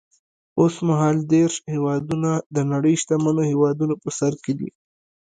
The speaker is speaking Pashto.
اوس مهال دېرش هېوادونه د نړۍ شتمنو هېوادونو په سر کې دي.